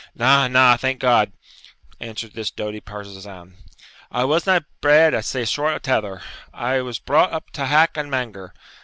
'Na, na; thank God,' answered this doughty partizan, 'I wasna bred at sae short a tether, I was brought up to hack and manger.